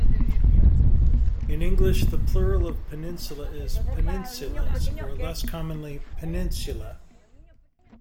In English, the plural of peninsula is "peninsulas" or, less commonly, "peninsulae".